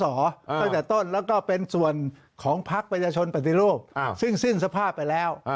ตั้งแต่ต้นแล้วก็เป็นส่วนของพักประชาชนปฏิรูปซึ่งสิ้นสภาพไปแล้ว